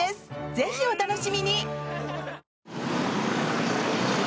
ぜひ、お楽しみに！